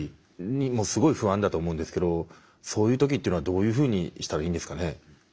すごい不安だと思うんですけどそういう時っていうのはどういうふうにしたらいいんですかね？